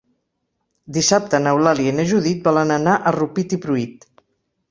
Dissabte n'Eulàlia i na Judit volen anar a Rupit i Pruit.